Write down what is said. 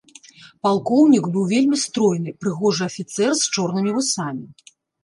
Палкоўнік быў вельмі стройны, прыгожы афіцэр з чорнымі вусамі.